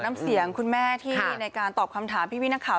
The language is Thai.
น้ำเสียงคุณแม่ที่ในการตอบคำถามพี่นักข่าว